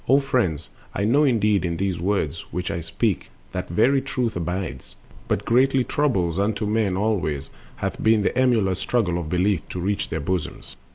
O friends, I know indeed in these the words Which I will speak that very truth abides; But greatly troublous unto men alway Hath been the emulous struggle of Belief To reach their bosoms.